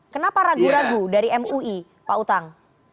kenapa ragu ragu dari mui pak utang